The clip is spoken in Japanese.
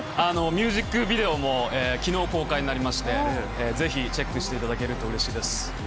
ミュージックビデオもきのう公開になりまして、ぜひ、チェックしていただけるとうれしいです。